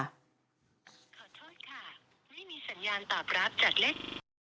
ขอโทษค่ะไม่มีสัญญาณตอบรับจากเลข๗